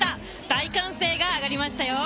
大歓声が上がりましたよ。